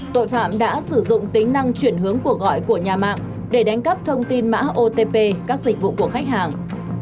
tội phạm đã sử dụng tính năng chuyển hướng cuộc gọi của nhà mạng để đánh cắp thông tin mã otp các dịch vụ của khách hàng